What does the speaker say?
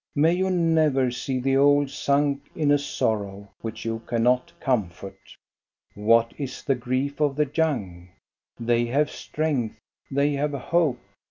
May you never see the old sunk in a sorrow which you cannot comfort. What is the grief of the young? They have strength, they have hope.